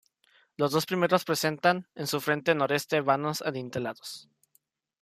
Los dos primeros presentan, en su frente noreste vanos adintelados.